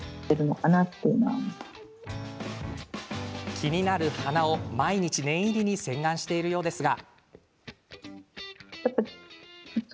気になる鼻を、毎日念入りに洗顔しているそうですが。